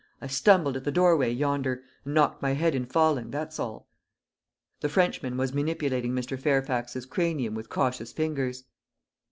I stumbled at the doorway yonder, and knocked my head in falling that's all." The Frenchman was manipulating Mr. Fairfax's cranium with cautious fingers.